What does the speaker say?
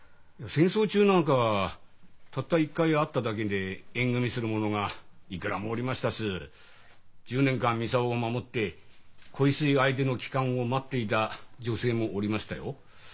戦争中なんかたった一回会っただけで縁組みする者がいくらもおりましたし１０年間操を守って恋しい相手の帰還を待っていた女性もおりましたよ。